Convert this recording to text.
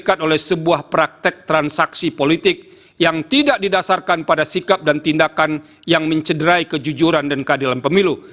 diangkat oleh sebuah praktek transaksi politik yang tidak didasarkan pada sikap dan tindakan yang mencederai kejujuran dan keadilan pemilu